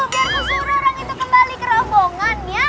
biar kesuruh orang itu kembali ke rombongan ya